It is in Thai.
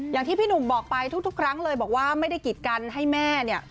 อย่างที่พี่หนุ่มบอกไปทุกครั้งเลยบอกว่าไม่ได้กิดกันให้แม่เนี่ย